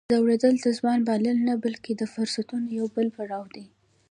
زوړېدل د ځوانۍ بایلل نه، بلکې د فرصتونو یو بل پړاو دی.